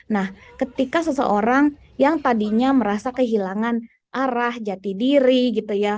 nah ketika seseorang yang tadinya merasa kehilangan arah jati diri gitu ya